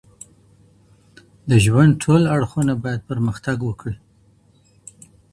د ژوند ټول اړخونه بايد پرمختګ وکړي.